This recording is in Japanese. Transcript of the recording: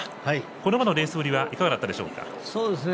これまでのレースぶりはいかがだったでしょうか？